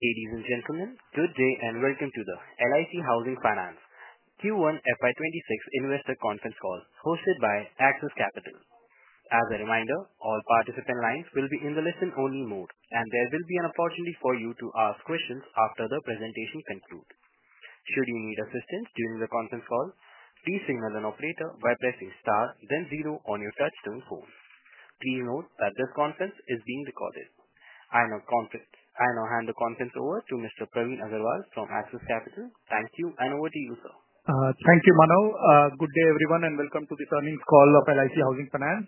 Ladies and gentlemen, good day and welcome to the LIC Housing Finance Q1 FY26 Investor Conference Call hosted by Axis Capital. As a reminder, all participant lines will be in the listen-only mode, and there will be an opportunity for you to ask questions after the presentation concludes. Should you need assistance during the conference call, please signal an operator by pressing star then zero on your touch-tone phone. Please note that this conference is being recorded. I now hand the conference over to Mr. Praveen Agarwal from Axis Capital. Thank you, and over to you, sir. Thank you, Manav. Good day, everyone, and welcome to this earnings call of LIC Housing Finance.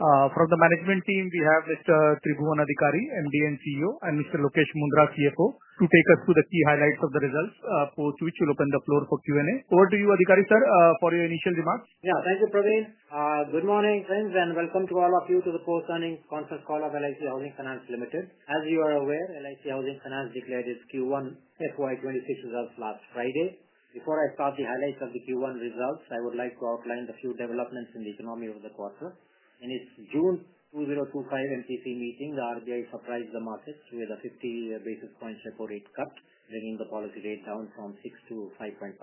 From the management team, we have Mr. Tribhuwan Adhikari, Managing Director & CEO, and Mr. Lokesh Mundhra, CFO, to take us through the key highlights of the results, post which we will open the floor for Q&A. Over to you, Adhikari sir, for your initial remarks. Yeah, thank you, Praveen. Good morning, friends, and welcome to all of you to the Post-earnings Conference Call of LIC Housing Finance Limited. As you are aware, LIC Housing Finance declared its Q1 FY2026 results last Friday. Before I start the highlights of the Q1 results, I would like to outline the few developments in the economy over the quarter. In its June 2025 MPC meeting, the RBI surprised the markets with a 50 basis point repo rate cut, bringing the policy rate down from 6% to 5.50%.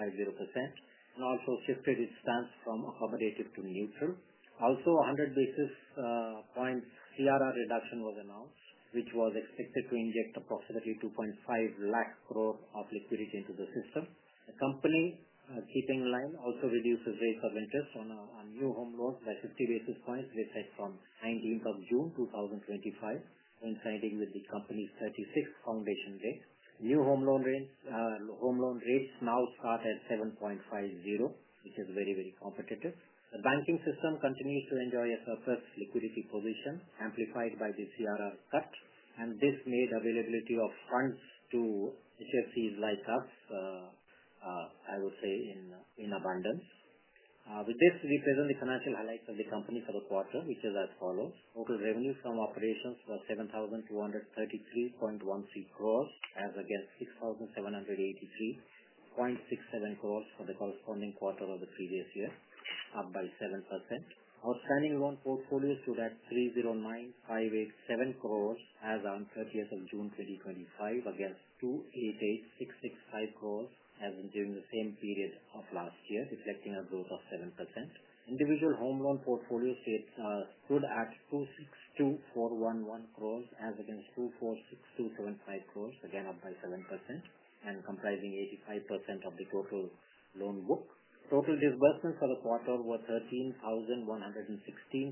Also, fiscal stance from accommodated to neutral. Also, 100 basis point CRR reduction was announced, which was expected to inject approximately 2.5 lakh crore of liquidity into the system. The company, keeping in line, also reduced its rates of interest on a new home loan by 50 basis points from 19th of June 2025, coinciding with the company's 36th Foundation Day. New home loan rates now start at 7.50%, which is very, very competitive. The banking system continues to enjoy a surplus liquidity position, amplified by the CRR cut, and this made availability of funds to HFCs like us, I would say, in abundance. With this, we present the financial highlights of the company for the quarter, which is as follows: total revenue from operations was 7,233.14 crore, as against 6,783.67 crore for the corresponding quarter of the previous year, up by 7%. Outstanding loan portfolio stood at 309,587 crore, as on 30th of June 2025, against 288,665 crore, as in during the same period of last year, reflecting a growth of 7%. Individual home loan portfolio stood at 262,411 crore, as against 246,275 crore, again up by 7%, and comprising 85% of the total loan book. Total disbursements for the quarter were 13,116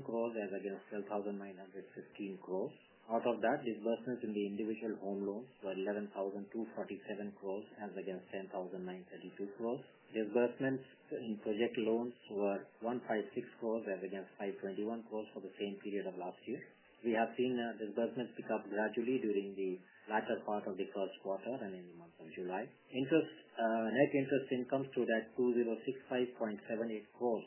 crore, as against 12,915 crore. Out of that, disbursements in the individual home loans were 11,247 crore, as against 10,932 crore. Disbursements in project loans were 156 crore, as against 521 crore for the same period of last year. We have seen disbursements pick up gradually during the latter part of the first quarter and in the month of July. Net interest income stood at 2,065.78 crore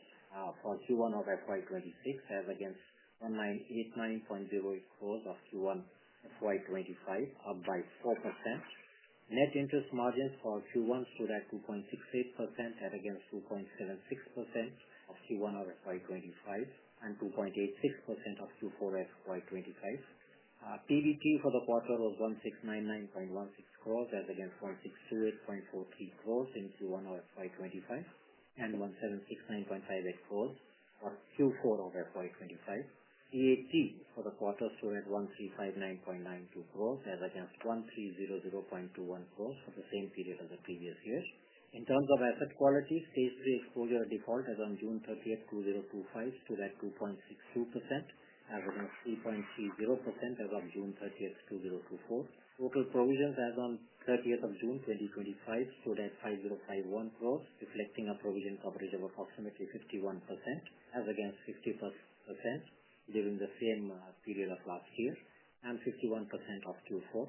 for Q1 of FY2026, as against 1,989.08 crore of Q1 FY2025, up by 4%. Net interest margin for Q1 stood at 2.68%, as against 2.76% of Q1 of FY2025 and 2.86% of Q4 FY2025. PBP for the quarter was 1,699.16 crore, as against INR 1,628.43 crore in Q1 of FY2025 and 1,769.58 crore of Q4 of FY2025. PAT for the quarter stood at 1,359.92 crore, as against 1,300.21 crore for the same period of the previous year. In terms of asset quality, Stage 3 default as on June 30, 2025, stood at 2.62%, as against 3.30% as of June 30, 2024. Total provisions as on June 30, 2025, stood at 5,051 crore, reflecting a provision coverage of approximately 51%, as against 55% during the same period of last year and 51% of Q4.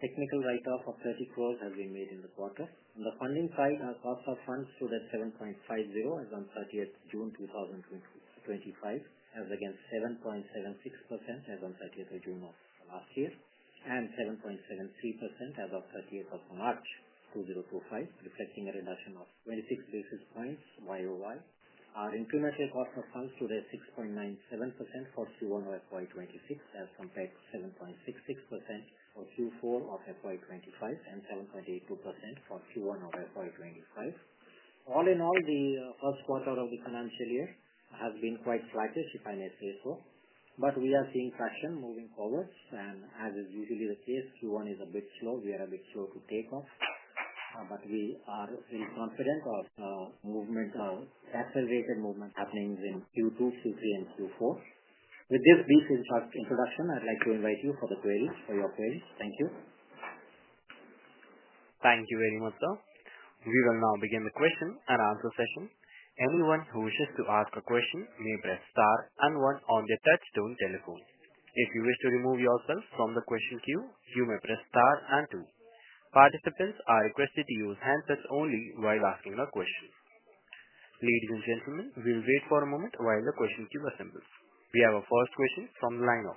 Technical write-off of 30 crore has been made in the quarter. On the funding side, our cost of funds stood at 7.50% as on June 30, 2025, as against 7.76% as on June 30 of last year and 7.73% as of March 30, 2025, reflecting a reduction of 26 basis points YoY. Our incremental cost of funds stood at 6.97% for Q1 of FY2026, as compared to 7.66% for Q4 of FY2025 and 7.82% for Q1 of FY2025. All in all, the first quarter of the financial year has been quite flat, if I may say so, but we are seeing traction moving forward. Q1 is a bit slow. We are a bit slow to take off, but we are very confident of the accelerated movement happening in Q2, Q3, and Q4. With this brief introduction, I'd like to invite you for your queries. Thank you. Thank you very much, sir. We will now begin the question and answer session. Anyone who wishes to ask a question may press star and one on the touch-tone telephone. If you wish to remove yourself from the question queue, you may press star and two. Participants are requested to use handsets only while asking the questions. Ladies and gentlemen, we'll wait for a moment while the question queue assembles. We have our first question from the line of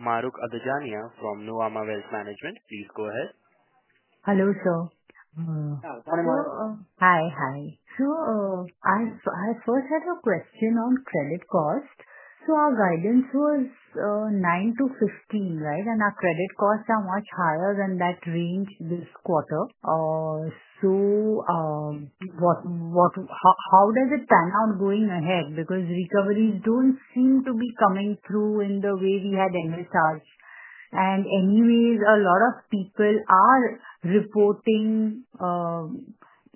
Mahrukh Adajania from Nawama Wealth Management. Please go ahead. Hello, sir. Hi, hi. I first had a question on credit costs. Our guidance was 9-15, right? Our credit costs are much higher than that range this quarter. How does it pan out going ahead? Because recoveries don't seem to be coming through in the way we had enlisted. Anyways, a lot of people are reporting,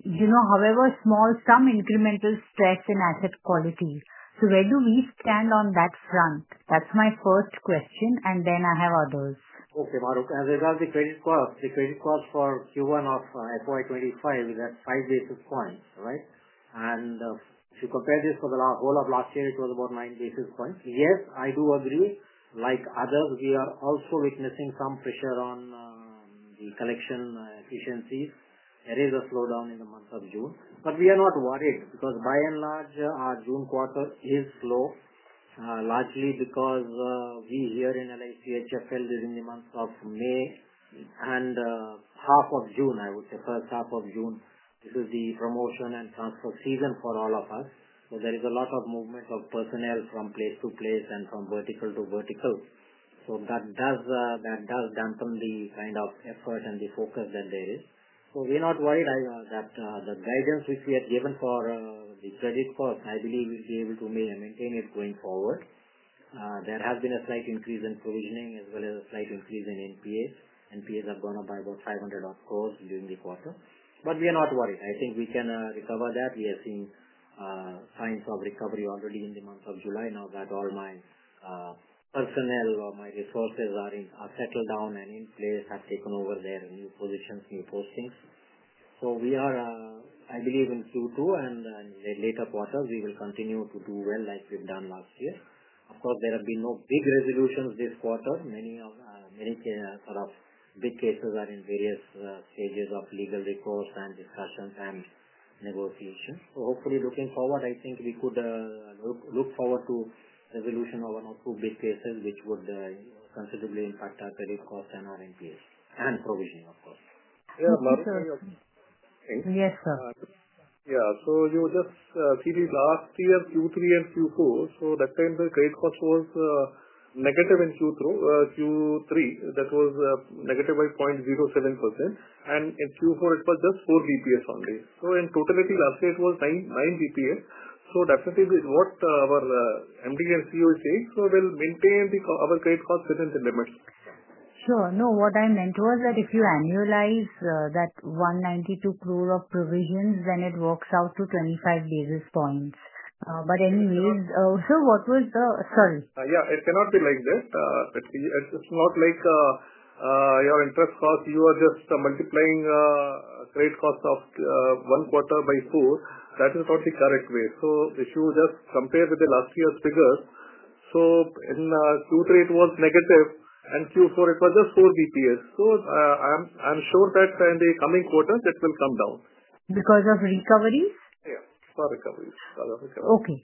you know, however small, some incremental stretch in asset quality. Where do we stand on that front? That's my first question. I have others. Okay, Maruk. As regards the credit cost, the credit cost for Q1 of FY2025 is at 5 basis points, right? If you compare this for the whole of last year, it was about 9 basis points. Yes, I do agree. Like others, we are also witnessing some pressure on the collection efficiency. There is a slowdown in the month of June. We are not worried because by and large, our June quarter is slow, largely because here in LICHFL, this is in the month of May and half of June, I would say, first half of June, this is the promotion and transfer season for all of us. There is a lot of movement of personnel from place to place and from vertical to vertical. That does dampen the kind of effort and the focus that there is. We are not worried. The guidance which we had given for the credit costs, I believe we'll be able to maintain it going forward. There has been a slight increase in provisioning as well as a slight increase in NPA. NPAs have gone up by about 500 or so during the quarter. We are not worried. I think we can recover that. We are seeing signs of recovery already in the month of July. Now that all my personnel or my resources are settled down and in place, have taken over their new positions, new postings. I believe in Q2 and in the later quarters, we will continue to do well as we've done last year. Of course, there have been no big resolutions this quarter. Many kind of big cases are in various stages of legal recourse and discussions and negotiation. Hopefully, looking forward, I think we could look forward to resolution of another two big cases which would considerably impact our credit costs and our NPAs and provisioning, of course. Yeah, Maruk. Yes, sir. Yeah. You just see the last year, Q3 and Q4. That time the credit costs were negative in Q3. That was negative by 0.07%. In Q4, it was just 4 bps only. In totality, last year it was 9 bps. Definitely, what our MD and CEO is saying, we'll maintain our credit costs within the limits. Sure. No, what I meant was that if you annualize that 192 crore of provisions, then it works out to 25 basis points. Anyways, sir, what was the... Sorry. Yeah, it cannot be like this. It's not like your interest costs, you are just multiplying credit costs of one quarter by four. That is not the correct way. If you just compare with the last year's figures, in Q3 it was negative and in Q4 it was just 4 bps. I'm sure that in the coming quarter it will come down. Because of recoveries? Yeah, it's not recoveries. Okay.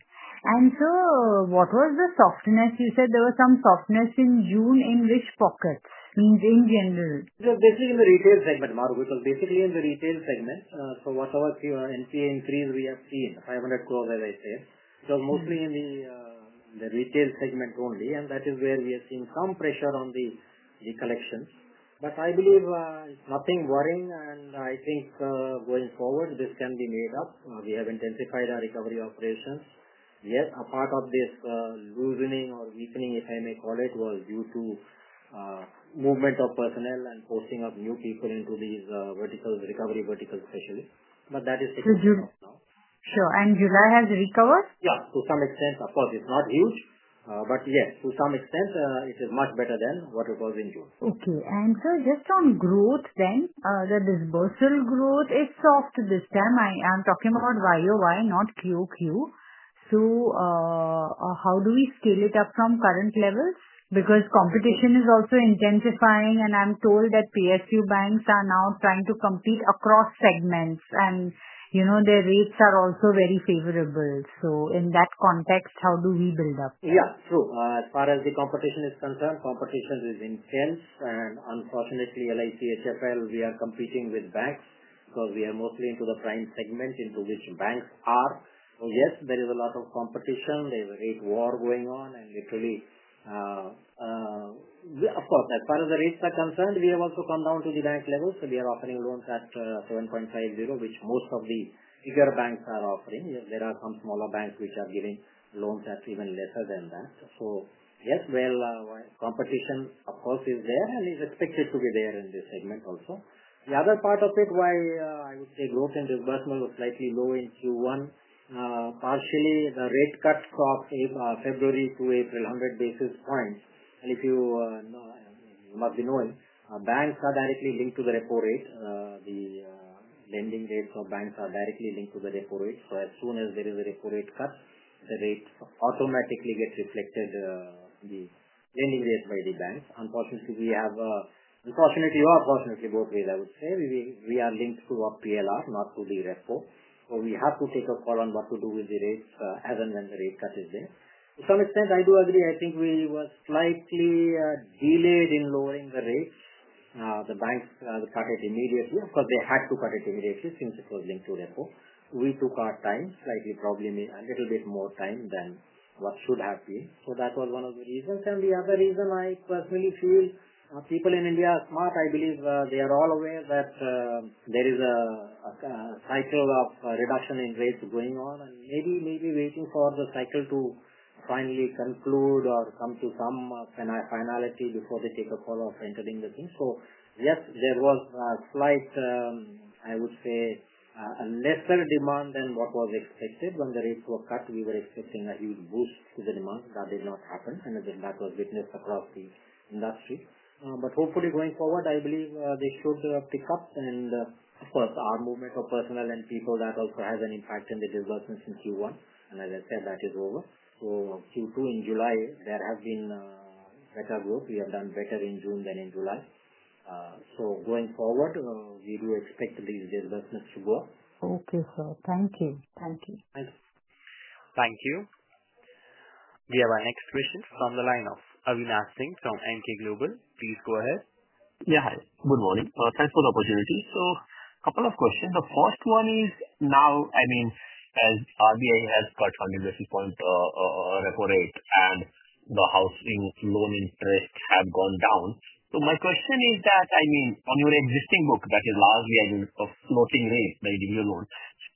Sir, what was the softness? You said there was some softness in June. In which pocket? In general. It was basically in the retail segment, Maruk. It was basically in the retail segment. Whatever NPA increase we have seen, 500 crore, as I said, it was mostly in the retail segment only. That is where we have seen some pressure on the collections. I believe nothing worrying. I think going forward, this can be made up. We have intensified our recovery operations. Yes, a part of this loosening or weakening, if I may call it, was due to movement of personnel and posting of new people into these verticals, recovery verticals especially. That is fixing itself now. Sure. Has July recovered? Yeah, to some extent. Of course, it's not huge, but yes, to some extent, it is much better than what it was in June. Okay. Sir, just on growth then, the disbursement growth, it's soft this time. I am talking about YoY, not QQ. How do we scale it up from current levels? Competition is also intensifying. I'm told that PSU banks are now trying to compete across segments. Their rates are also very favorable. In that context, how do we build up? Yeah, sure. As far as the competition is concerned, competition is intense. Unfortunately, LICHFL, we are competing with banks because we are mostly into the prime segment in which banks are. Yes, there is a lot of competition. There is a war going on. Of course, as far as the rates are concerned, we have also come down to the bank level. They are offering loans at 7.50%, which most of the bigger banks are offering. There are some smaller banks which are giving loans at even less than that. Yes, competition is there and is expected to be there in this segment also. The other part of it, why I would say growth in disbursement was slightly low in Q1, partially, the rate cuts from February to April, 100 basis points. If you must be knowing, banks are directly linked to the recovery. The lending rates of banks are directly linked to the recovery. As soon as there is a recovery cut, the rate automatically gets reflected in the lending rates by the banks. Unfortunately, or fortunately, both ways, I would say, we are linked to a PLR, not fully repo. We have to take a call on what to do with the rates as and when the rate cut is there. To some extent, I do agree. I think we were slightly delayed in lowering the rate. The banks cut it immediately because they had to cut it immediately since it was linked to repo. We took our time, probably a little bit more time than what should have been. That was one of the reasons. The other reason I personally feel, people in India are smart. I believe they are all aware that there is a cycle of reduction in rates going on and maybe waiting for the cycle to finally conclude or come to some finality before they take a call of entering the thing. Yes, there was a slight, I would say, a lesser demand than what was expected. When the rates were cut, we were expecting a huge boost to the demand. That did not happen. That was witnessed across the industry. Hopefully, going forward, I believe they should pick up. Of course, our movement of personnel and people, that also has an impact on the disbursement in Q1. As I said, that is over. Q2 in July, there has been a record growth. We have done better in June than in July. Going forward, we do expect these disbursements to grow. Okay, sir. Thank you. Thank you. Thank you. We have our next question from the line of Avinash Singh from Emkay Global. Please go ahead. Yeah, hi. Good morning. Thanks for the opportunity. A couple of questions. The first one is now, I mean, as RBI has cut 5 basis points of recovery and the home loan interest has gone down. My question is that, I mean, on your existing book that is largely, I mean, a floating rate by the year loan,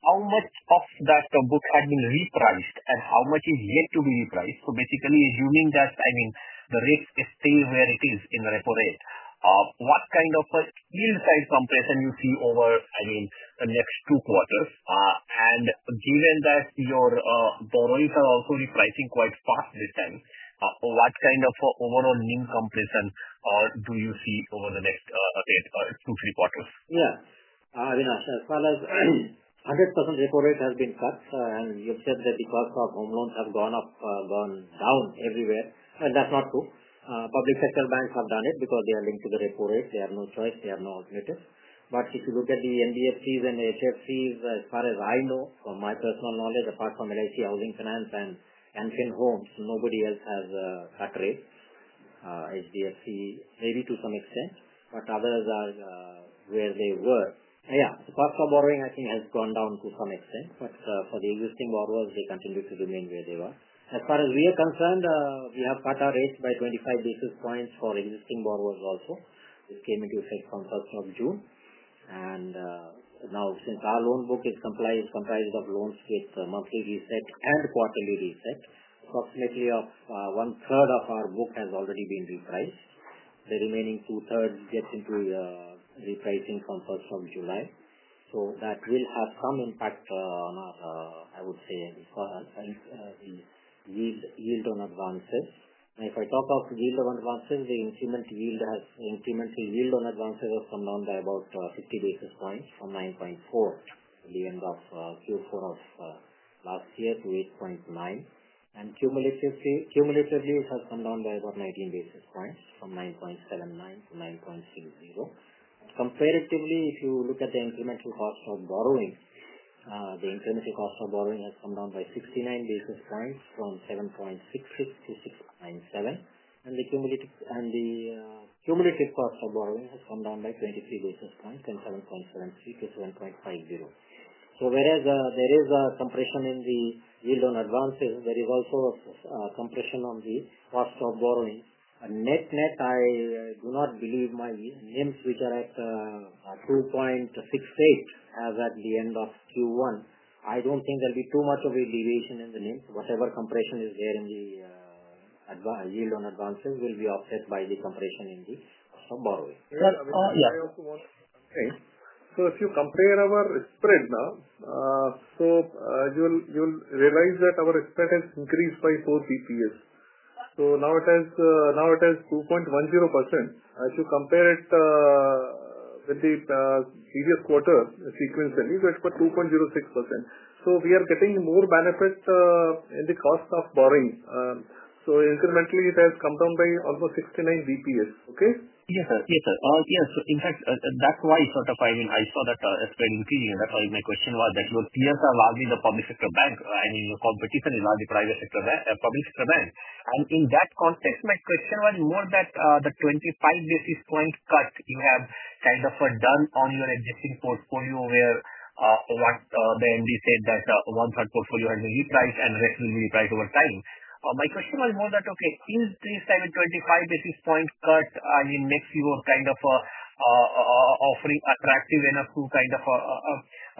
how much of that book has been repriced and how much is yet to be repriced? Basically, assuming that, I mean, the rate is staying where it is in the recovery, what kind of a yield kind of inflation do you see over, I mean, the next two quarters? Given that your borrowers are also repricing quite fast this time, what kind of overall yield inflation do you see over the next two, three quarters? Yeah. I mean, as far as 100% recovery has been false, and you said that the cost of home loans have gone up, gone down everywhere. That's not true. Public sector banks have done it because they are linked to the recovery. They have no choice. They have no alternative. If you look at the NBFCs and HFCs, as far as I know, from my personal knowledge, apart from LIC Housing Finance and Ancient Homes, nobody else has a cut rate. HDFC maybe to some extent, but others are where they were. The cost of borrowing, I think, has gone down to some extent. For the existing borrowers, they continue to remain where they were. As far as we are concerned, we have cut our rates by 25 basis points for existing borrowers also. This came into effect from the first of June. Now, since our loan book is comprised of loans with monthly reset and quarterly reset, approximately one-third of our book has already been repriced. The remaining two-thirds get into the repricing from the first of July. That will have some impact on our, I would say, yield on advances. If I talk of yield on advances, the incremental yield on advances has come down by about 50 basis points from 9.4 at the end of Q4 of last year to 8.9. Cumulatively, it has come down by about 19 basis points from 9.79 9.60. Comparatively, if you look at the incremental cost of borrowing, the incremental cost of borrowing has come down by 59 basis points from 7.66 to 6.97. The cumulative cost of borrowing has come down by 23 basis points from 7.73 to 7.50. Whereas there is a compression in the yield on advances, there is also a compression on the cost of borrowing. Net net, I do not believe my NIMs with that at 2.68 as at the end of Q1. I don't think there'll be too much of a deviation in the NIMs. Whatever compression is there in the yield on advances will be offset by the compression in the borrowing. Yeah. I also want to say, if you compare our spread now, you'll realize that our spread has increased by 4 bps. Now it is 2.10%. If you compare it with the previous quarter sequence, the new quarter is 2.06%. We are getting more benefit in the cost of borrowing. Incrementally, it has come down by almost 69 bps. Okay? Yes, sir. In fact, that's why I was explaining to you that my question was that, look, clearly the public sector bank, I mean, the competition is on the private sector and public sector bank. In that context, my question was more that the 25 basis points cut you have kind of done on your existing portfolio where, once the MD said that one third portfolio has been repriced and the rest will be repriced over time. My question was more that, okay, is this 25 basis points cut, I mean, makes you kind of offering attractive enough to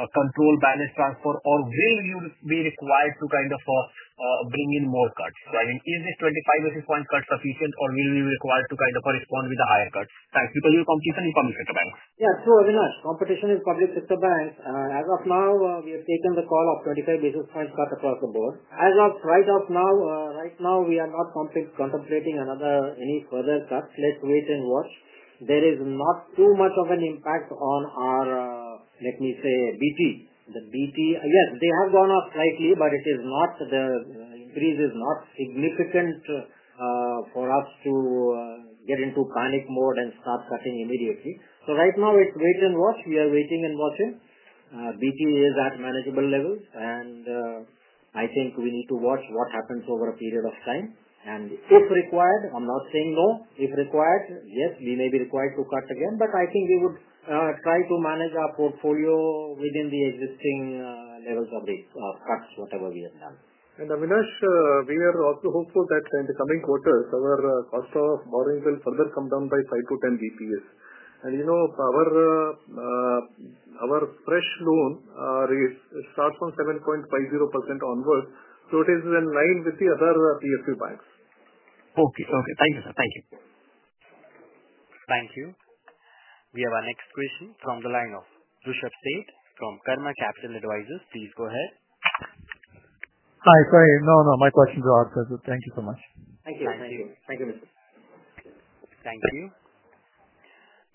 control balance transfer or will you be required to bring in more cuts? I mean, is this 25 basis point cut sufficient or will you be required to respond with a higher cut? Thanks. Because you're competing in public sector banks. Yeah. So, Avinash, competition is public sector banks. As of now, we have taken the call of 25 basis point cut across the board. As of right now, we are not contemplating any further cuts, let's wait and watch. There is not too much of an impact on our, let me say, BT. The BT, yes, they have gone up slightly, but the increase is not significant for us to get into panic mode and start cutting immediately. Right now, wait and watch. We are waiting and watching. BT is at manageable levels. I think we need to watch what happens over a period of time. If required, I'm not saying no. If required, yes, we may be required to cut again. I think we would try to manage our portfolio within the existing levels of risk of cuts, whatever we have done. Avinash, we are also hopeful that in the coming quarters, our cost of borrowing will further come down by 5 bps-10 bps. Our fresh loan rates start from 7.50% onward. It is in line with the other PSU banks. Okay. Thank you, sir. Thank you. Thank you. We have our next question from the line of Rushabh Sheth from Parma Capital Advisors. Please go ahead. Hi. No, my questions are answered. Thank you so much. Thank you. Thank you. Thank you.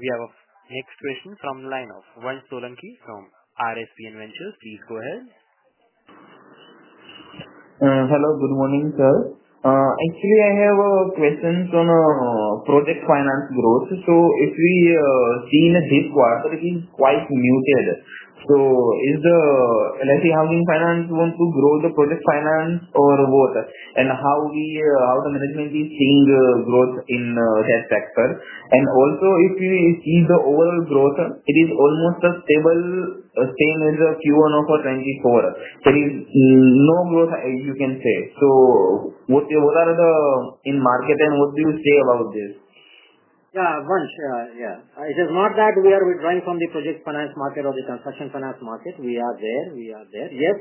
We have a next question from the line of Vansh Solanki from RSPN Ventures. Please go ahead. Hello. Good morning, sir. I have a question on project finance growth. As we see in the dip graph, it is quite muted. Is LIC Housing Finance going to grow the project finance or what? How is the management seeing growth in that sector? If we see the overall growth, it is almost stable, same as Q1 of 2024. There is no growth, as you can say. What are the in market and what do you say about this? Yeah, Vansh. Yeah. It is not that we are withdrawing from the project finance market or the construction finance market. We are there. We are there. Yes,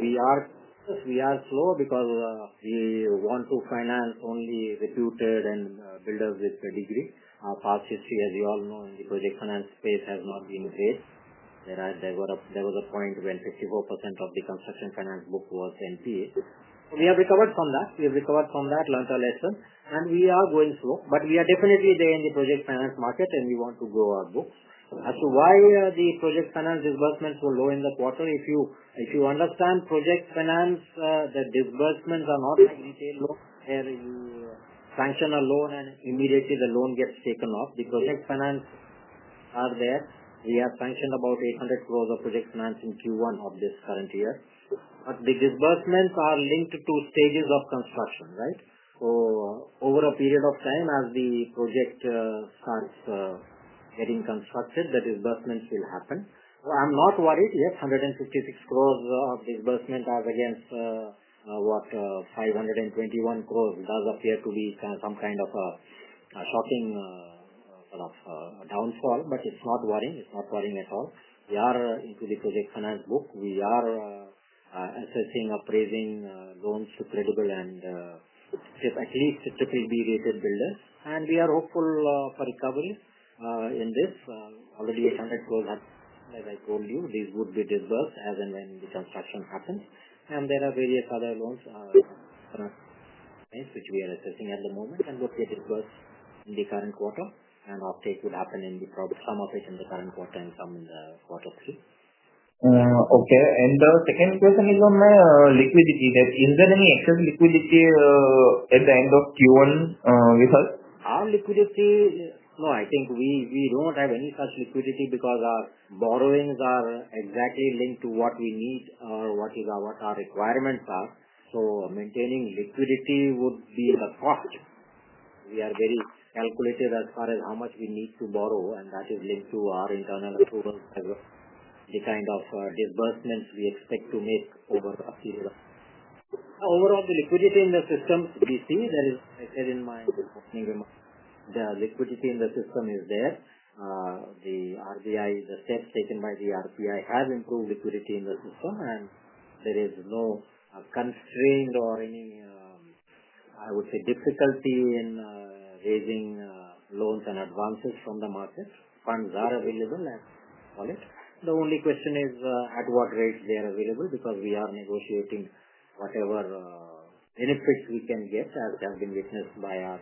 we are slow because we want to finance only reputed and builders with a degree. Our past history, as you all know, in the project finance space has not been great. There was a point when 54% of the construction finance book was NPA. We have recovered from that, learned our lesson, and we are going slow. We are definitely there in the project finance market and we want to grow our books. As to why the project finance disbursement was low in the quarter, if you understand project finance, the disbursements are not like retail loans where you sanction a loan and immediately the loan gets taken off. The project finance are there. We have sanctioned about 800 crore of project finance in Q1 of this current year, but the disbursements are linked to stages of construction, right? Over a period of time, as the project starts getting constructed, the disbursements will happen. I'm not worried. Yes, 156 crore of disbursement as against, what, 521 crore does appear to be some kind of a shocking kind of downfall. It is not worrying. It is not worrying at all. We are into the project finance book. We are assessing, appraising loans to credible and, if at least it could be recurrent builders. We are hopeful for recovery in this. Already INR 800 crore, as I told you, this would be disbursed as and when the construction happens. There are various other loans, finance which we are assessing at the moment. They disbursed in the current quarter. Uptake would happen in the probably some uptake in the current quarter and some in the quarter three. Okay. The second question is on my liquidity. Is there any extra liquidity at the end of Q1? Our liquidity, no, I think we don't have any such liquidity because our borrowings are exactly linked to what we need or what our requirements are. Maintaining liquidity would be the cost. We are very calculated as far as how much we need to borrow, and that is linked to our internal approvals as well, the kind of disbursements we expect to make over a period of. Overall, the liquidity in the system, we see, that is, as I said in my opening remarks, the liquidity in the system is there. The RBI, the steps taken by the RBI have improved liquidity in the system. There is no constraint or any difficulty in raising loans and advances from the markets. Funds are available, as I call it. The only question is, at what rates they are available because we are negotiating whatever benefits we can get, as has been witnessed by our...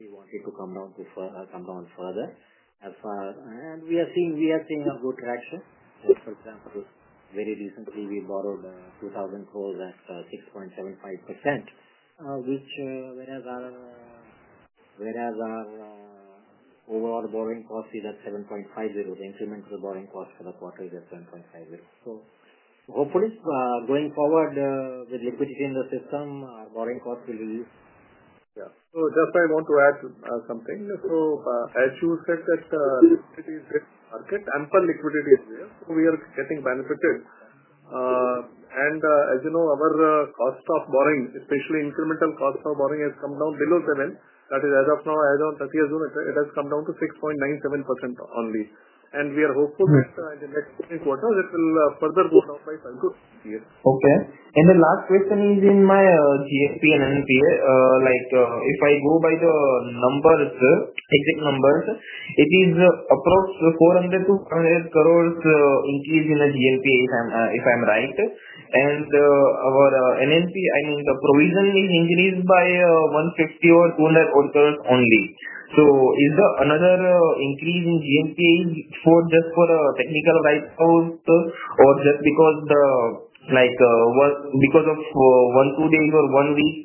We want it to come down, to come down further. As far as... we are seeing a good ratio. For example, very recently, we borrowed 2,000 crore at 6.75%, whereas our overall borrowing cost is at 7.50%. The incremental borrowing cost for the quarter is at 7.50%. Hopefully, going forward with liquidity in the system, our borrowing cost will... I want to add something. As you said that it is a risk market, ample liquidity is there. We are getting benefited. As you know, our cost of borrowing, especially incremental cost of borrowing, has come down below 7%. That is, as of now, as on June 30, it has come down to 6.97% only. We are hopeful that in the next three quarters, it will further go down by 5 bps-10 bps. Okay. The last question is in my GNPA and NNPA. If I go by the numbers, exit numbers, it is approximately 400 to 500 crore increase in the GNPA, if I'm right. Our NNPA, I mean, the provisioning is increased by 150 or 200 crores only. Is there another increase in GNPA just for technical write-off or just because, like, was it because of one, two days, or one week,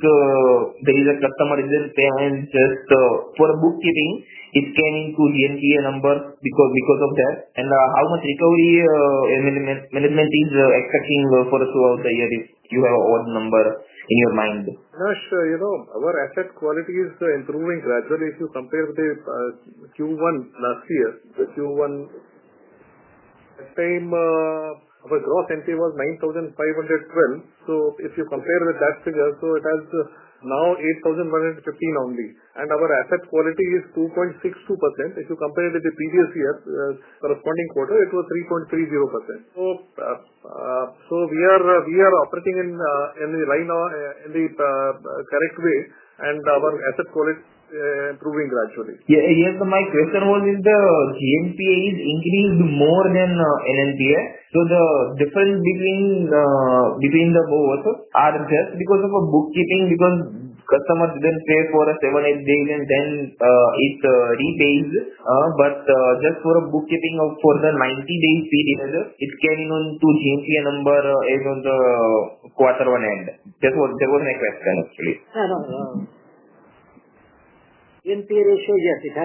there is a customer isn't paying just for bookkeeping, it went into GNPA number because of that? How much recovery, I mean, management is expecting for throughout the year if you have all the number in your mind? No, sure. You know, our asset quality is improving gradually if you compare with the Q1 last year. The Q1 same of a gross NPA was 9,500 crore. If you compare with that figure, it has now 8,115 only. Our asset quality is 2.62%. If you compare with the previous year, the corresponding quarter, it was 3.30%. We are operating in the line of in the correct way. Our asset quality is improving gradually. Yes, my question was if the gross GNPA is increased more than net NNPA. The difference between the both are just because of a bookkeeping, because customers didn't pay for 7, 8 days and then it repays. Just for a bookkeeping of for the 90-day period, it came into gross NPA number on the quarter one end. That was my question, actually. NPA ratio, yes, it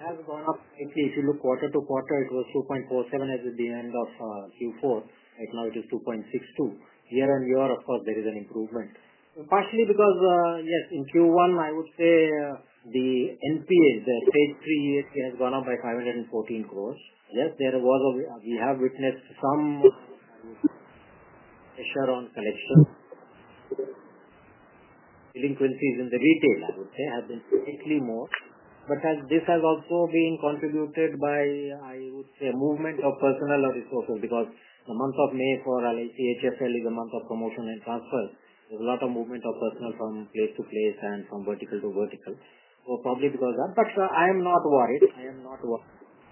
has gone up. If you look quarter to quarter, it was 2.47% at the end of Q4. Right now, it is 2.62%. Year-on-year, of course, there is an improvement. Partially because, yes, in Q1, I would say the NPA, the third three-years, has gone up by 514 crore. Yes, we have witnessed some pressure on collections. Delinquencies in the retail, I would say, have been slightly more. This has also been contributed by, I would say, a movement of personnel or resources because the month of May for LICHFL is a month of promotion and transfer. There's a lot of movement of personnel from place to place and from vertical to vertical, probably because of that. I am not worried.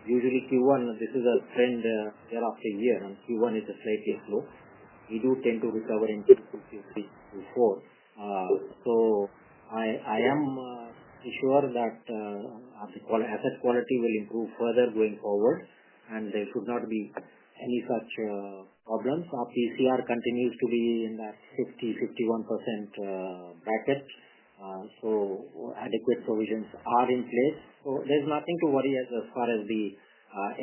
Usually, Q1, this is a trend year after year. Q1 is slightly slow. We do tend to recover in Q2, Q3, Q4. I am sure that our asset quality will improve further going forward. There should not be any such problems. Our PCR continues to be in that 50%, 51% bracket. Adequate provisions are in place. There's nothing to worry as far as the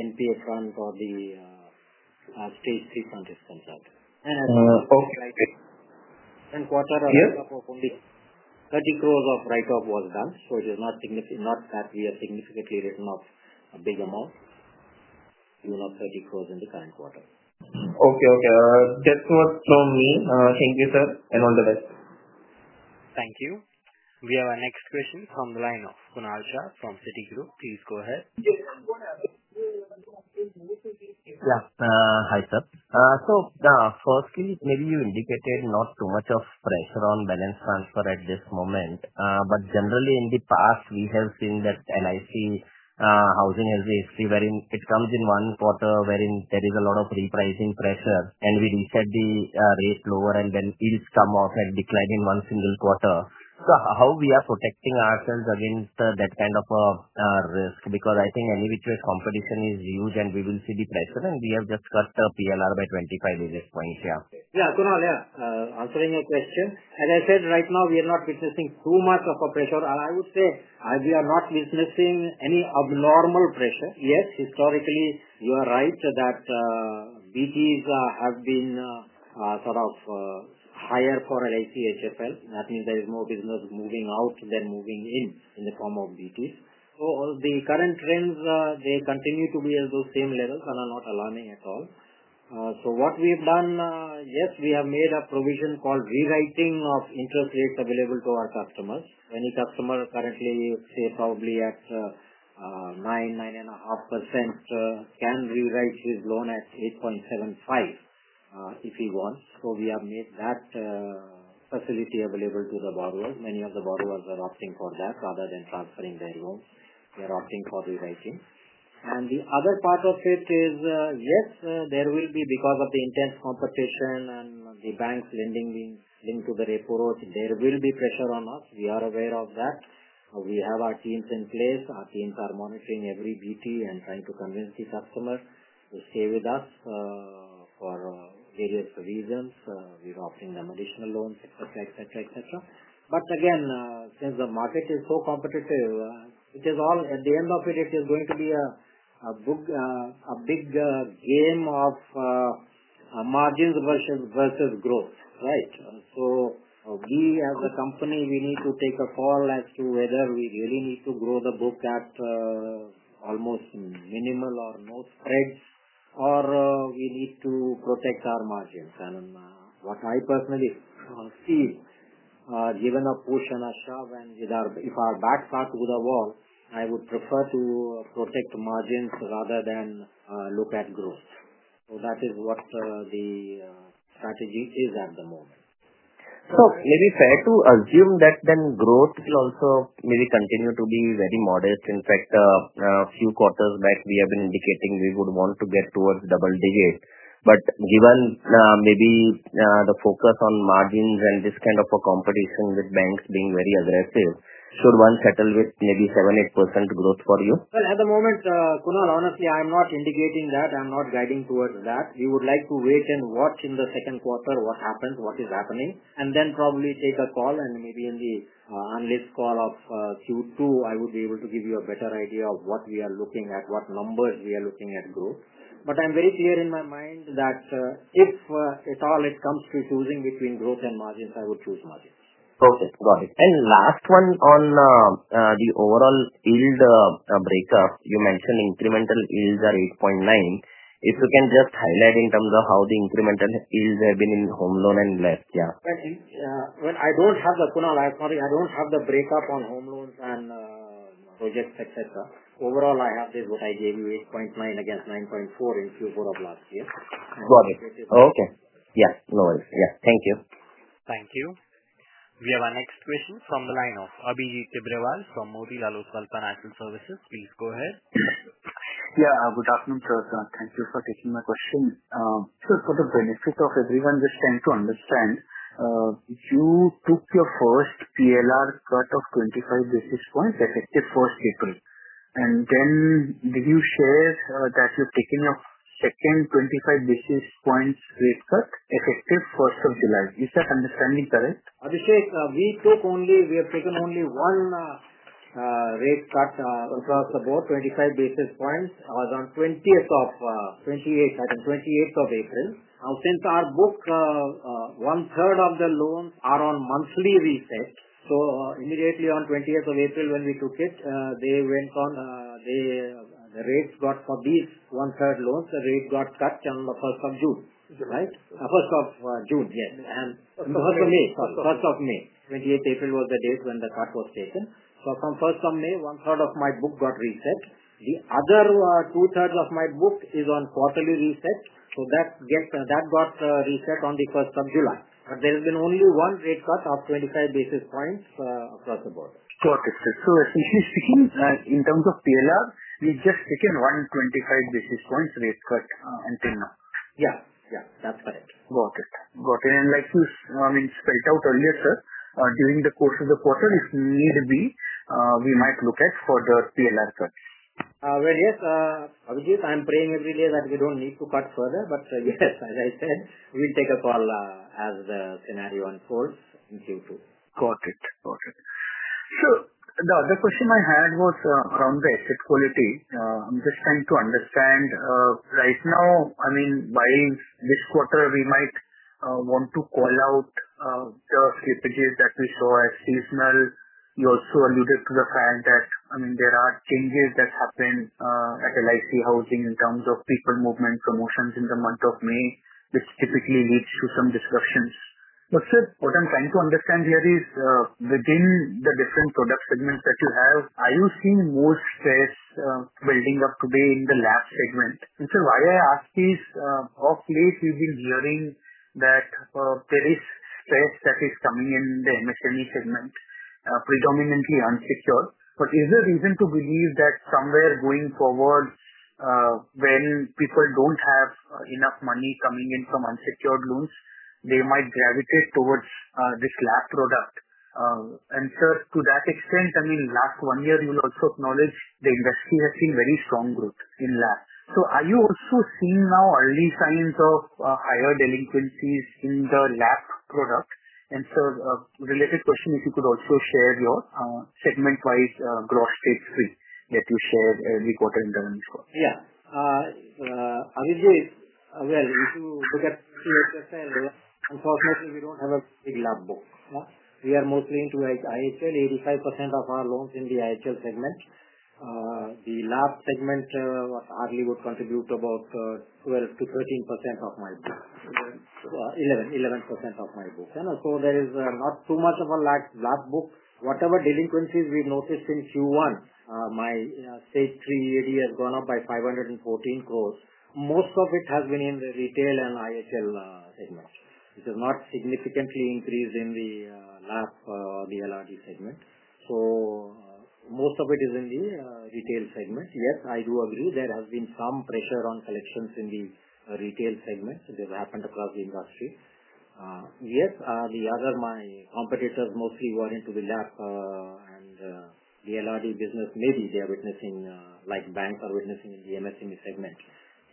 NPA front or the stage 3 competition. A write-off of INR 30 crore was done in the quarter. It is not that we have significantly written off a big amount. We have 30 crore in the current quarter. Okay. Okay. That's all from me. Thank you, sir, and all the best. Thank you. We have our next question from the line of Kunal Shah from Citigroup. Please go ahead. Yeah. Hi, sir. Firstly, maybe you indicated not too much of pressure on balance transfer at this moment. Generally, in the past, we have seen that LIC Housing Finance wherein it comes in one quarter, wherein there is a lot of repricing pressure. We will set the rates lower and then it'll come off and decline in one single quarter. How are we protecting ourselves against that kind of a risk? I think which way competition is huge and we will see the pressure. We have just cut the PLR by 25 basis points here. Yeah, Kunal, yeah. Answering your question. As I said, right now, we are not witnessing too much of a pressure. I would say we are not witnessing any abnormal pressure. Yes, historically, you are right that BTs have been sort of higher for LICHFL. I think there is more business moving out than moving in in the form of BTs. The current trends, they continue to be at those same levels and are not alarming at all. What we have done, yes, we have made a provision called rewriting of interest rates available to our customers. Any customer currently, say, probably at 9%, 9.5% can rewrite his loan at 8.75% if he wants. We have made that facility available to the borrowers. Many of the borrowers are opting for that rather than transferring their loan. They are opting for rewriting. The other part of it is, yes, there will be, because of the intense competition and the banks lending into the repo, there will be pressure on us. We are aware of that. We have our teams in place. Our teams are monitoring every BT and trying to convince the customers to stay with us for various reasons. We are offering them additional loans, etc., etc., etc. Since the market is so competitive, it is all at the end of it, it is going to be a big game of margins versus growth, right? We as a company, we need to take a call as to whether we really need to grow the book at almost minimal or no spreads or we need to protect our margins. What I personally see, given a push and a shove and if our backs are to the wall, I would prefer to protect margins rather than look at growth. That is what the strategy is on the moment. If I were to assume that then growth will also maybe continue to be very modest. In fact, a few quarters back, we have been indicating we would want to get towards double digits. Given maybe the focus on margins and this kind of a competition with banks being very aggressive, should one settle with maybe 7%, 8% growth for you? At the moment, Kunal, honestly, I am not indicating that. I'm not guiding towards that. We would like to wait and watch in the second quarter what happens, what is happening. Then probably take a call. Maybe in the analyst call of Q2, I would be able to give you a better idea of what we are looking at, what numbers we are looking at growth. I'm very clear in my mind that if at all it comes to choosing between growth and margins, I would choose margins. Okay. Got it. Last one on the overall yield breakup. You mentioned incremental yields are 8.9%. If you can just highlight in terms of how the incremental yields have been in home loan and less. Yeah. I think, Kunal, I'm sorry, I don't have the breakup on home loans and projects, etc. Overall, I have this. I gave you 8.9 against 9.4 in Q4 of last year. Got it. Okay. Yeah. No worries. Thank you. Thank you. We have our next question from the line of Abhijit Tibrewal from Motilal Oswal Financial Services. Please go ahead. Good afternoon, sir. Thank you for taking my question. For the benefit of everyone just trying to understand, if you took your first PLR cut of 25 basis points effective April 1, and then did you share that you've taken a second 25 basis points rate cut effective July 1? Is your understanding correct? As I said, we have taken only one rate cut across about 25 basis points. It was on 28th of April. Since our book, one-third of the loans are on monthly reset. Immediately on 28th of April, when we took it, the rates for these one-third loans got cut on the 1st of May. 28th April was the date when the cut was taken. From 1st of May, one-third of my book got reset. The other two-thirds of my book is on quarterly reset. That got reset on the 1st of July. There has been only one rate cut of 25 basis points across the board. Got it, sir. If you're speaking in terms of PLR, you've just taken one 25 basis points rate cut until now. Yeah, that's correct. Got it. Like you spelled out earlier, sir, during the course of the quarter, if need be, we might look at further PLR cut. Obviously, I'm praying every day that we don't need to cut further. As I said, we'll take a call as the scenario unfolds in Q2. Got it. Got it. The other question I had was around the asset quality. I'm just trying to understand, right now, I mean, buying this quarter, we might want to call out the strategies that we saw as seasonal. You also alluded to the fact that, I mean, there are changes that happen at LIC Housing Finance in terms of people movement, promotions in the month of May, which typically leads to some disruptions. Sir, what I'm trying to understand here is within the different product segments that you have, are you seeing more space building up today in the LAP segment? Sir, why I ask is, of late, we've been hearing that there is space that is coming in the MSME segment, predominantly unsecured. Is there a reason to believe that somewhere going forward, when people don't have enough money coming in from unsecured loans, they might gravitate towards this LAP product? Sir, to that extent, I mean, last one year, you'll also acknowledge the industry has seen very strong growth in loans against property. Are you also seeing now early signs of higher delinquencies in the LAP product? Sir, a related question, if you could also share your segment-wise growth statement that you share every quarter in the month. As you know, because as I said, unfortunately, we don't have a big loans against property book. We are mostly into, like I said, 85% of our loans in the individual home loans segment. The loans against property segment would contribute about 12%-13% of my book. 11% 11% of my book. There is not too much of a loans against property book. Whatever delinquencies we've noticed since Q1, my stage 3 EAD has gone up by 514 crore. Most of it has been in the retail and individual home loans segments. It has not significantly increased in the LAP or the LRD segment. Most of it is in the retail segments. Yes, I do agree there has been some pressure on collections in the retail segments. It has happened across the industry. My competitors mostly were into the LAP and the lease rental discounting business. Maybe they are witnessing, like banks are witnessing in the MSME segment,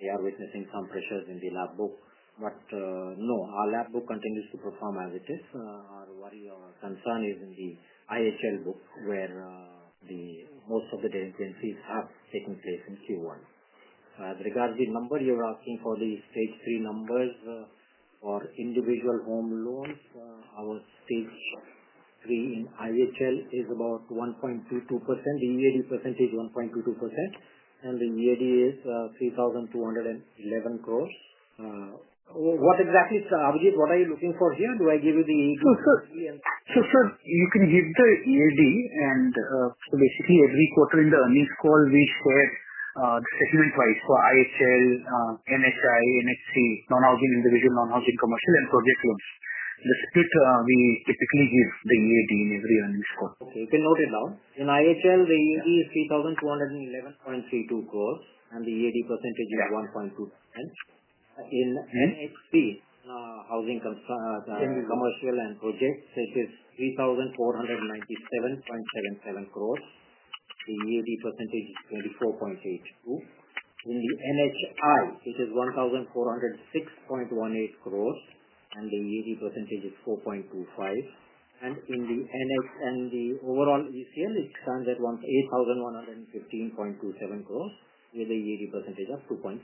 they are witnessing some pressures in the LAP book. No, our LAP book continues to perform as it is. Our worry or concern is in the individual home loans book, where most of the delinquencies have taken place in Q1. As regards the number you're asking for, the stage 3 numbers for individual home loans, our stage 3 in IHL is about 1.22%. The new EAD percent is 1.22%. The new EAD is 3,211 crore. What exactly, Abhijit, what are you looking for here? Do I give you the info? Sir, you can give the EAD. Basically, every quarter in the earnings call, we show it segment-wise for IHL, NHI, NHC, non-housing individual, non-housing commercial, and project loans. The split, we typically give the EAD in every earnings call. Okay. You can note it down. In IHL, the EAD is 3,211.32 crore and the EAD percentage is 1.2%. In NHC, housing in commercial and projects, it is 3,497.77 crore. The EAD percentage is 24.82%. In the NHI, it is 1,406.18 crore and the EAD percentage is 4.25%. In the overall ECL, it stands at INR 8,115.27 crore and the EAD percentage is 2.6%.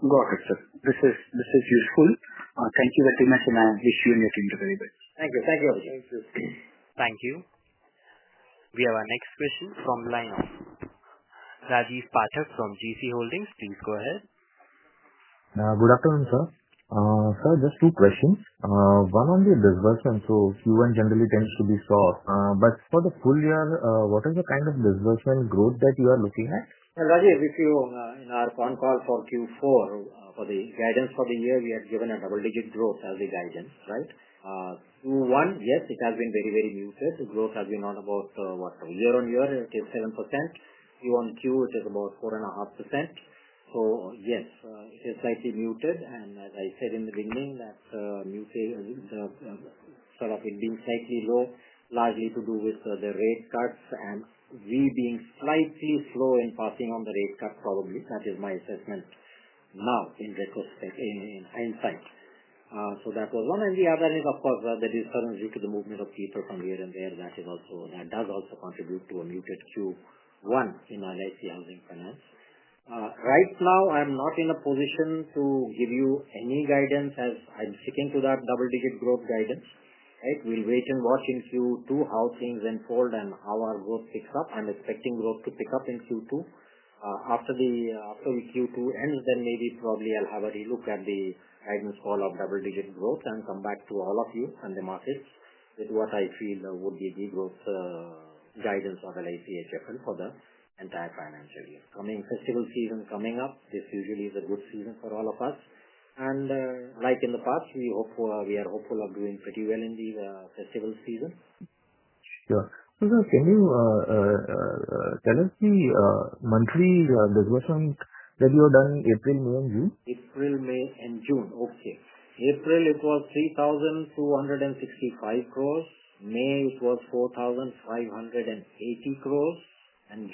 Got it, sir. This is useful. Thank you very much and I wish you a nice interview. Thank you. Thank you. Thank you, sir. Thank you. We have our next question from the line of Rajiv Pathak from GeeCee Holdings. Please go ahead. Good afternoon, sir. Sir, just two questions. One on the disbursement. Q1 generally tends to be soft. For the full year, what is the kind of disbursement growth that you are looking at? Rajiv, if you recall in our con call for Q4, for the guidance for the year, we have given a double-digit growth as a guidance, right? Yes, it has been very, very muted. The growth has been on about, from year-on-year, it is 7%. Q1, Q2, it is about 4.5%. It is slightly muted. As I said in the beginning, that's muted instead of it being slightly low. Largely to do with the rate cuts and we being slightly slow in passing on the rate cuts, probably. That is my assessment now in hindsight. That was one. The other is, of course, the discouraged due to the movement of people from here and there. That also contributes to a muted Q1 in LIC Housing Finance. Right now, I'm not in a position to give you any guidance as I'm sticking to that double-digit growth guidance. We'll wait and watch in Q2 how things unfold and how our growth picks up. I'm expecting growth to pick up in Q2. After Q2 ends, then maybe probably I'll have a relook at the guidance call of double-digit growth and come back to all of you and the markets with what I feel would be the growth guidance for LICHFL for the entire financial year. The coming festival season is coming up. This usually is a good season for all of us. Like in the past, we are hopeful of doing pretty well in the festival season. Sure. Sir, can you tell us the monthly disbursement that you have done in April, May, and June? April, May, and June. April, it was 3,265 crore. May, it was 4,580 crore.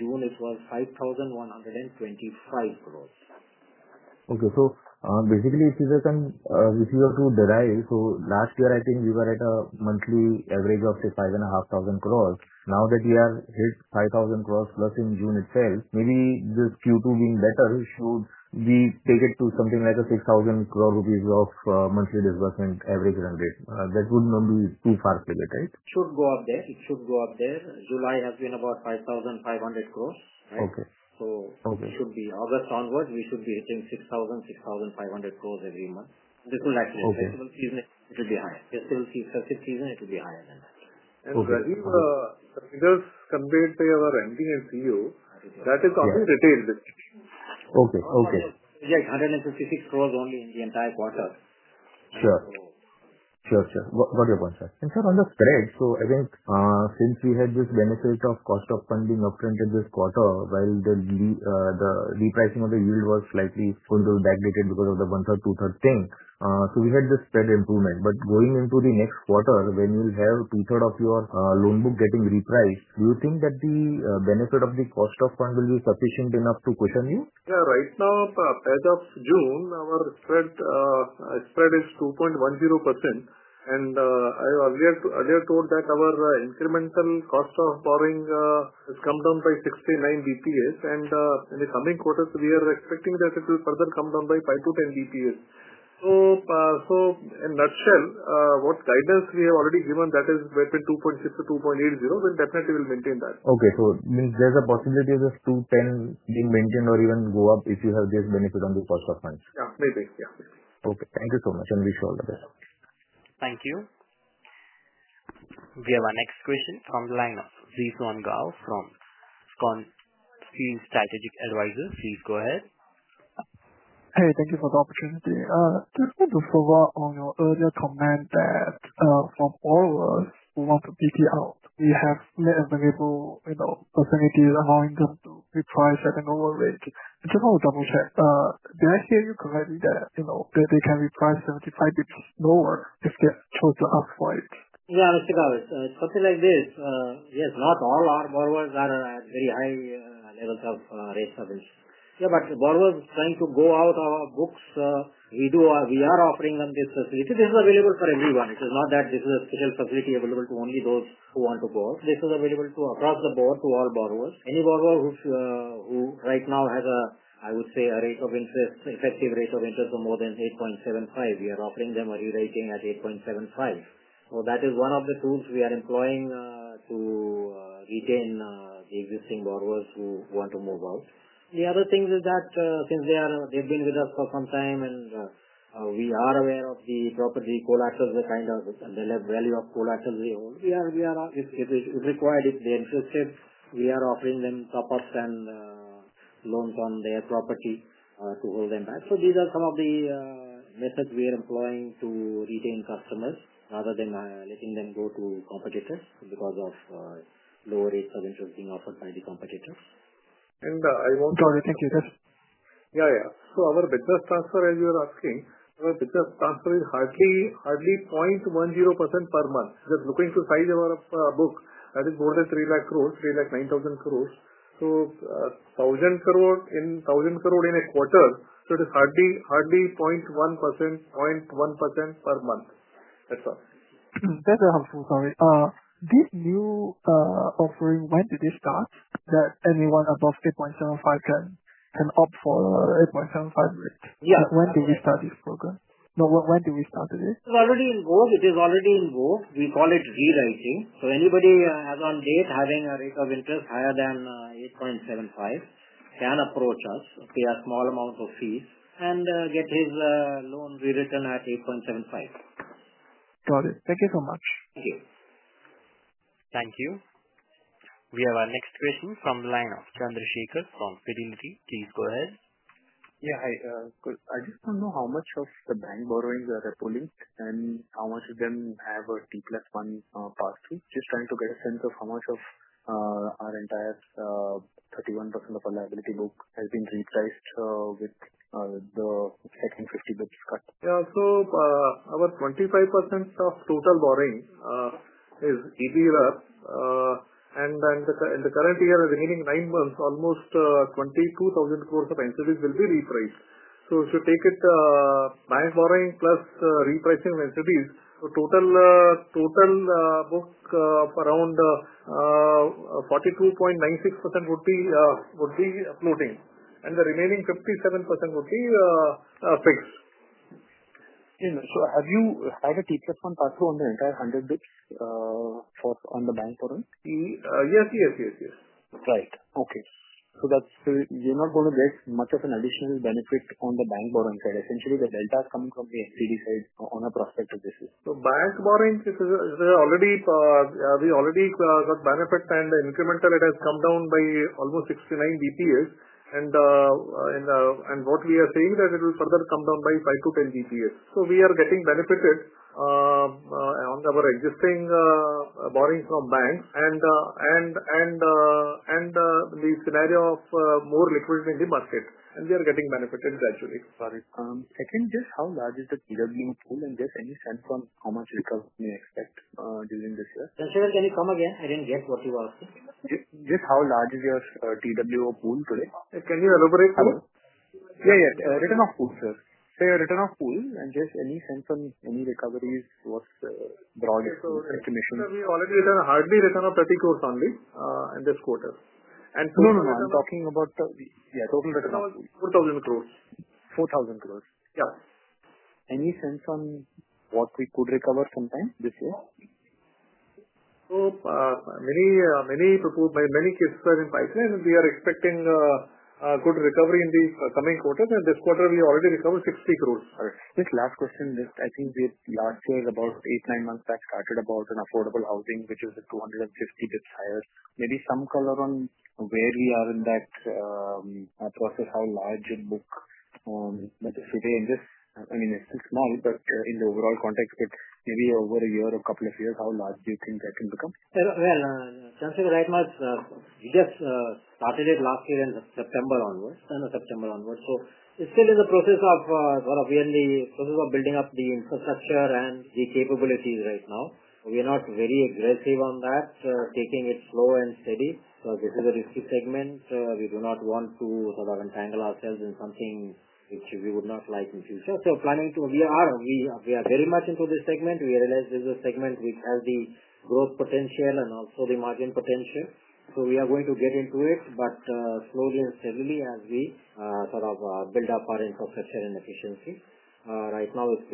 June, it was 5,125 crore. Okay. Basically, if you were to derive, last year, I think we were at a monthly average of, say, 5,500 crore. Now that we are at 5,000 crore plus in June itself, maybe this Q2 being better should be stated to something like an 6,000 crore rupees monthly disbursement average run rate. That would not be too far split, right? It should go up there. July has been about 5,500 crore, right? Okay. It should be August onwards, we should be hitting 6,000, 6,500 crore every month. This will actually be a festival season. It will be higher. Festival season will be higher than that. Rajiv, just compared to your earnings, you, that is completely retailed. Okay. Yes, 156 crore only in the entire quarter. Sure. What is your point, sir? Sir, on the spread, I think since we had this benefit of cost of funding upfront in this quarter, while the repricing of the yield was slightly sooner backdated because of the one-third, two-third thing, we had the spread improvement. Going into the next quarter, when you'll have two-thirds of your loan book getting repriced, do you think that the benefit of the cost of funds will be sufficient enough to cushion you? Yeah. Right now, as of June, our spread is 2.10%. I earlier told that our incremental cost of borrowing has come down by 69 basis points. In the coming quarters, we are expecting that it will further come down by 5 to 10 basis points. In a nutshell, what guidance we have already given, that is 2.6%-2.80%, we'll definitely maintain that. Okay. It means there's a possibility of just 210 being maintained or even go up if you have this benefit on the cost of funds. Yeah. Okay, thank you so much. We'll follow that. Thank you. We have our next question from the line of Zhixuan Gao from Scan Stream Strategic Advisors. Please go ahead. Hi. Thank you for the opportunity. To respond to your earlier comment that from all of us who want to BT out, we have no variable percentage allowing us to reprice at a lower rate. I just want to double-check. Did I hear you correctly that they can reprice 75 bps lower if they're supposed to upswipe? Yeah, Mr. Gao, it's something like this. Not all our borrowers are at very high levels of rate service. The borrowers trying to go out of our books, we are offering them this facility. This is available for everyone. It is not that this is a special facility available to only those who want to go out. This is available across the board to all borrowers. Any borrower who right now has a, I would say, a rate of interest, effective rate of interest of more than 8.75%, we are offering them a rewriting at 8.75%. That is one of the tools we are employing to retain existing borrowers who want to move out. The other thing is that since they have been with us for some time and we are aware of the property, if required, if they insisted, we are offering them top-up loans and loan on their property to hold them back. These are some of the methods we are employing to retain customers rather than letting them go to competitors because of lower rates of interest being offered by the competitors. Thank you, sir. Our business transfer, as you were asking, is hardly 0.10% per month. Just looking to size of our book, I think more than INR 3 lakh crore, INR 3 lakh 9,000 crore. 1,000 crore in a quarter, so it is hardly 0.1% per month. That's all. Thanks that is helpful, I'm so sorry. This new offering, when did it start that anyone above 8.75% can opt for 8.75% rate? When do we start this program? No, when do we start this? It is already in go. We call it rewriting. Anybody who has on date having a rate of interest higher than 8.75% can approach us, pay a small amount of fees, and get his loan rewritten at 8.75%. Got it. Thank you so much. Thank you. Thank you. We have our next question from the line of Chandrasekhar Sridhar from Idinity. Please go ahead. Yeah, hi. I just don't know how much of the bank borrowings are pooling and how much of them have a cost of funds policy. Just trying to get a sense of how much of our entire 31% of our liability book has been refreshed with the second 50 basis point cut. About 25% of total borrowing is easier up. In the current year, the remaining nine months, almost 22,000 crores of NCBs will be repriced. If you take it, bank borrowing plus repricing of NCBs, a total book of around 42.96% would be floating. The remaining 57% would be fixed. Have you had a cost of funds pass-through on the entire 100 billion on the bank borrowing? Yes, yes. Right. Okay. That's, you're not going to get much of an additional benefit on the bank borrowing? Essentially, the delta is coming from the FTD side on a prospective basis. The bank borrowing, it is already, we already got benefits. Incrementally, it has come down by almost 69 bps. What we are seeing is that it will further come down by 5 bps-10 bps. We are getting benefited on our existing borrowings from banks. The scenario of more liquidity in the market, we are getting benefited gradually. Sorry, I think just how large is the TWO pool, and just any sense from how much recovery you expect during this year? Sir, can you come again? I didn't get what you asked. Just how large is your top-up loans pool today? Can you elaborate? Yeah, yeah. Return of pool, sir. Sir, your return of pool and just any sense on any recoveries was broad estimations. We already returned hardly INR 30 crore only in this quarter. No, no, no. I'm talking about the. Yeah, total return was 4,000 crore. 4,000 crores. Yeah. Any sense on what we could recover sometime this year? Many cases are in pipeline. We are expecting a good recovery in the coming quarter. This quarter, we already recovered 60 crore. All right. Just last question. I think this last year is about eight, nine months back, started about an affordable housing, which was at 250 basis points higher. Maybe some color on where we are in that process, how large and what is today in this. I mean, it's so small, but in the overall context, maybe over a year or a couple of years, how large do you think that can become? Chandra, right now, we just started it last year in September onwards, end of September onwards. It's still in the process of sort of we are in the process of building up the infrastructure and the capabilities right now. We are not very aggressive on that, taking it slow and steady because we do the risky segments. We do not want to sort of entangle ourselves in something which we would not like to see. We are very much into this segment. We realize this is a segment which has the growth potential and also the margin potential. We are going to get into it, but slowly and steadily as we sort of build up our infrastructure and efficiency. Right now, it's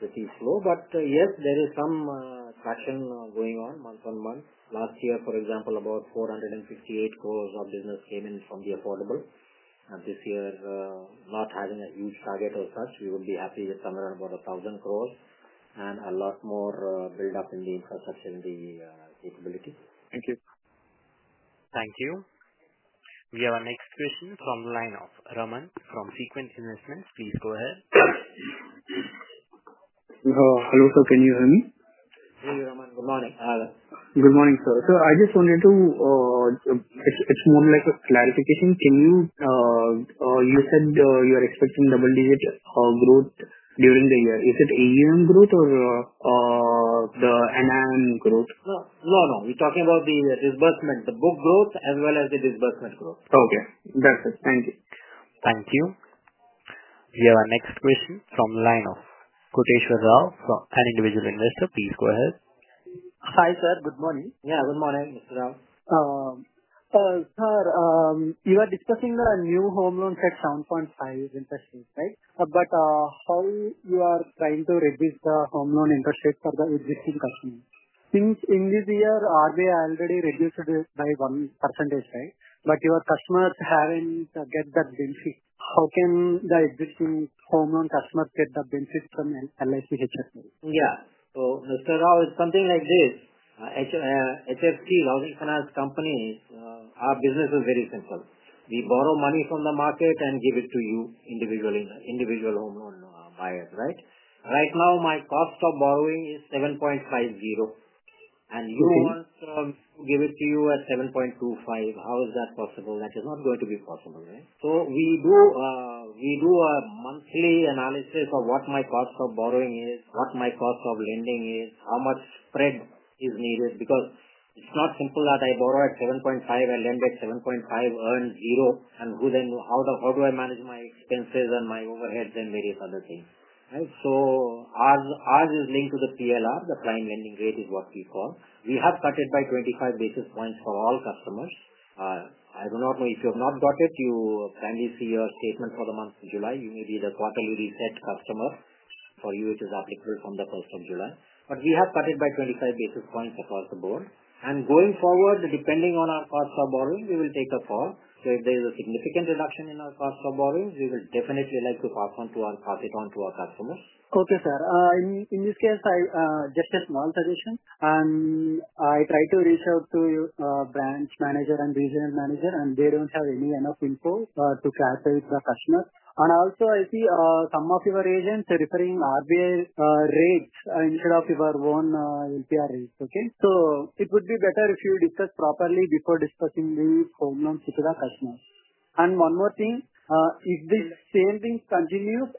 pretty slow. Yes, there is some traction going on month on month. Last year, for example, about 458 crore of business gaining from the affordable. This year, not having a huge target or such, we would be happy with somewhere about 1,000 crore and a lot more buildup in the infrastructure and the capabilities. Thank you. Thank you. We have our next question from the line of Rahman from Sequent Investments. Please go ahead. Hello, sir. Can you hear me? Hey, Rahman. Good morning. Good morning, sir. Sir, I just wanted to, it's more like a clarification. Can you, you said you're expecting double-digit growth during the year. Is it AUM growth or, the NIM growth? You're talking about the disbursement, the book growth, as well as the disbursement growth. Okay, that's it. Thank you. Thank you. We have our next question from the line of Koteshwar Rao from an individual investor. Please go ahead. Hi, sir. Good morning. Yeah, good morning, Mr. Rao. Sir, you are discussing the new home loan set 7.5% interest rate, right? How are you trying to reduce the home loan interest rate for the existing customers? In this year, they already reduced it by 1%, right? Do your customers have any target benefits? How can the existing home loan customers get the benefits from LICHFL? Yeah. Mr. Rao, it's something like this. Housing Finance Companies, our business is very simple. We borrow money from the market and give it to you, individual home loan buyers, right? Right now, my cost of borrowing is 7.50%. You give it to you at 7.25%. How is that possible? That is not going to be possible, right? We do a monthly analysis of what my cost of borrowing is, what my cost of lending is, how much spread is needed because it's not simple that I borrow at 7.5% and lend at 7.5% and 0. How do I manage my expenses and my overheads and various other things? Ours is linked to the PLR. The prime lending rate is what we call. We have cut it by 25 basis points for all customers. I do not know if you have not got it. You can see your statement for the month of July. You may be the quarterly recheck customer. For you, it is applicable from the 1st of July. We have cut it by 25 basis points across the board. Going forward, depending on our cost of borrowing, we will take a fall. If there is a significant reduction in our cost of borrowings, we will definitely like to pass it on to our customers. Okay, sir. In this case, I just asked one question. I tried to reach out to the Branch Manager and Regional Manager, and they don't have any enough info to facilitate the customer. I see some of your agents are referring to RBI rates instead of your own LPR rates, okay? It would be better if you discuss properly before disbursing the home loans to the customer. One more thing. If the same thing continues,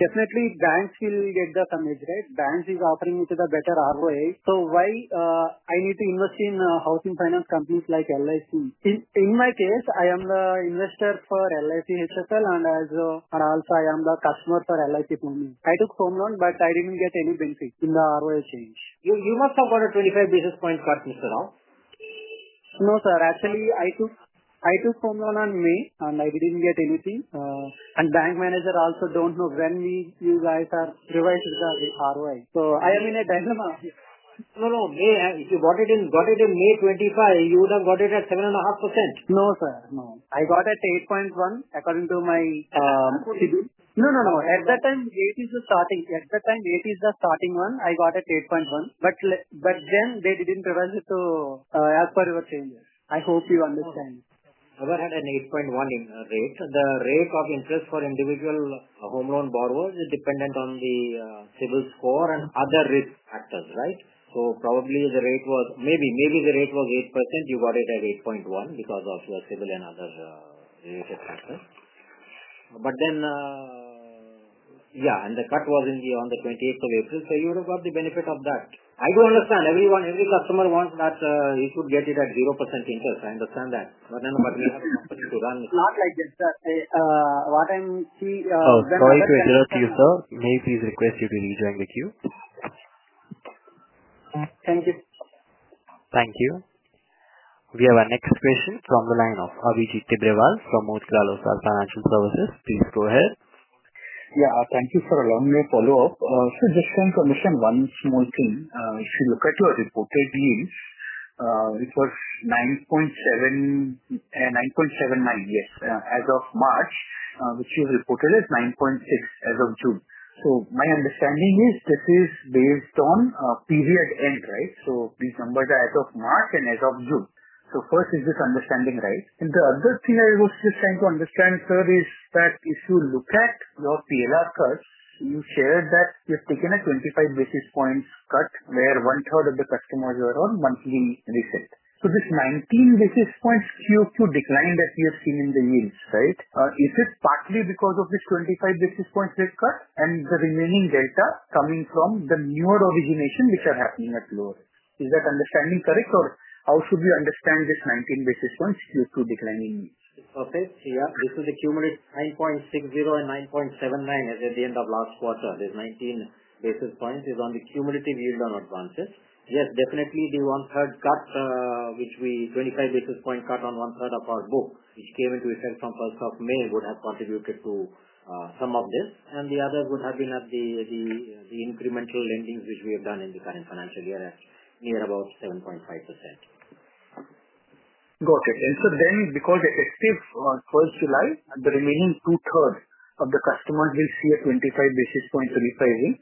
definitely banks will get the coverage rate. Banks are offering the better ROA. Why do I need to invest in Housing Finance Companies like LIC? In my case, I am the investor for LICHFL. I am also the customer for LIC Home Loan. I took home loan, but I didn't get any benefit in the ROA change. You must have got a 25 basis point cut, Mr. Rao. No, sir. Actually, I took home loan in May, and I didn't get anything. The bank manager also doesn't know when you guys are revising the ROA. I am in a dilemma. No, no. If you bought it in May 2025, you would have got it at 7.5%. No, sir. No. I got it at 8.1 according to my CRR. At that time, 8 is the starting. At that time, 8 is the starting one. I got it at 8.1. They didn't prevent it to as per your changes. I hope you understand. I never had an 8.1% rate. The rate of interest for individual home loan borrowers is dependent on the CIBIL score and other risk factors, right? Probably the rate was 8%. You got it at 8.1% because of CIBIL and other risk factors. The cut was on the 28th of April. You would have got the benefit of that. I do understand. Every customer wants that he should get it at 0% interest. I understand that. What you have to do is that. Sorry to interrupt you, sir. May I please request you to use your executive? Thank you. Thank you. We have our next question from the line of Abhijit Tebrewal from Motilal Oswal Financial Services. Please go ahead. Yeah. Thank you for a long-way follow-up. Sir, just want to understand one small thing. If you look at your reported yield, it was 9.79% as of March, which is reported as 9.6% as of June. My understanding is this is based on a period end, right? This number is as of March and as of June. First, is this understanding right? The other thing I was just trying to understand, sir, is that if you look at your PLR curve, you share that you've taken a 25 basis point cut where one-third of the customers are on monthly reset. This 19 basis point decline that we have seen in the yields, is it partly because of this 25 basis point rate cut and the remaining data coming from the newer origination which are happening at lower rates? Is that understanding correct or how should we understand this 19 basis point decline? Okay. Yeah. Because the cumulative 9.60% and 9.79% at the end of last quarter, this 19 basis point is on the cumulative yield on advances. Yes, definitely, the one-third cut, which we 25 basis point cut on one-third of our book, which came into effect from May 1, would have contributed to some of this. The others would have been at the incremental lendings which we have done in the current financial year at near about 7.5%. Got it. Sir, because effective July 12, the remaining two-thirds of the customers will see a 25 basis point rate by year.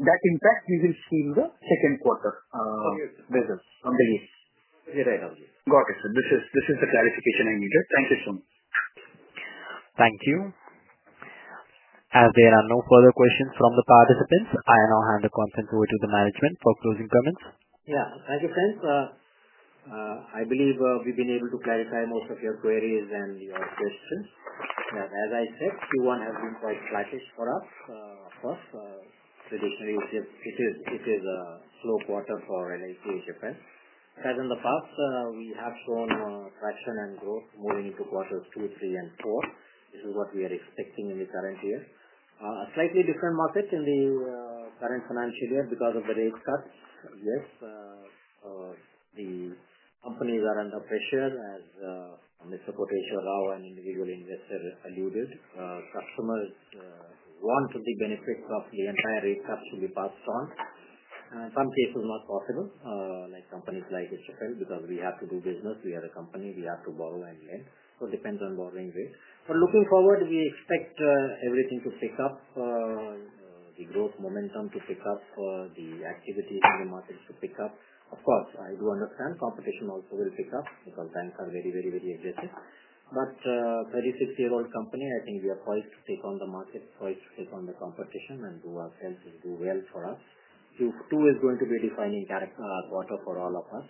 That impact you will see in the second quarter results coming in. Yes, I have it. Got it. This is the clarification I needed. Thank you so much. Thank you. As there are no further questions from the participants, I now hand the content over to the management for closing comments. Yeah. Thank you, friends. I believe we've been able to clarify most of your queries and your questions. As I said, Q1 has been quite sluggish for us. Of course, traditionally, it is a slow quarter for LICHFL. As in the past, we have shown traction and growth moving into quarters 2, 3, and 4. This is what we are expecting in the current year. A slightly different market in the current financial year because of the rate cuts. Yes, the companies are under pressure, as Mr. Koteshwar Rao and individual investors alluded. Customers want the benefits of the entire rate cuts to be passed on. In some cases, it's not possible. Like companies like HFL because we have to do business. We are a company. We have to borrow and lend. It depends on borrowing rates. Looking forward, we expect everything to pick up. The growth momentum to pick up. The activity in the markets to pick up. I do understand competition also will pick up because banks are very, very, very aggressive. A 36-year-old company, I think we are poised to take on the markets, poised to take on the competition, and do ourselves is do well for us. Q2 is going to be a defining quarter for all of us.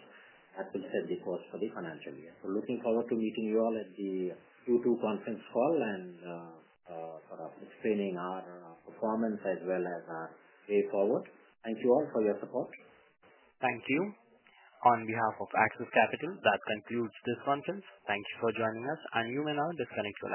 That will set the course for the financial year. Looking forward to meeting you all at the Q2 conference call and sort of explaining our performance as well as our way forward. Thank you all for your support. Thank you. On behalf of Axis Capital, that concludes this conference. Thank you for joining us. You may now be turning to.